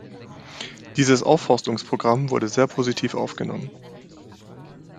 Dieses Aufforstungsprogramm wurde sehr positiv aufgenommen.